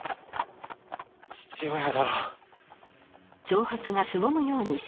父親だろ？